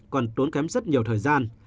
còn tốn kém rất nhiều thời gian